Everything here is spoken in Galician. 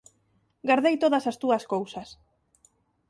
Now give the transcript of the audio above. Gardei todas as túas cousas.